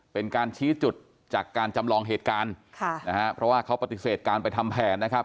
เป็นการชี้จุดจากการจำลองเหตุการณ์ค่ะนะฮะเพราะว่าเขาปฏิเสธการไปทำแผนนะครับ